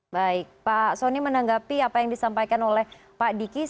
baik pak soni menanggapi apa yang disampaikan oleh pak dikis